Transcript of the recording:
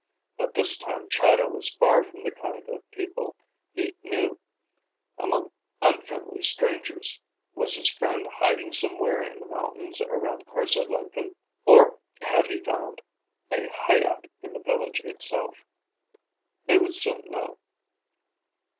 But this time Chahda was far from the kind of people he knew, among unfriendly strangers. Was his friend hiding somewhere in the mountains around Korse Lenken? Or had he found a hide out in the village itself? They would soon know.